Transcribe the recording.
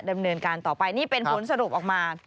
ดำเนินการต่อไปนี่เป็นผลสรุปออกมา